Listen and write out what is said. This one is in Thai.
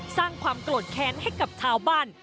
สร้างความโกรธแค้นให้กับชาวบ้าน